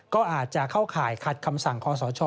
ก็อาจจะเข้าข่ายขัดคำสั่งคอสช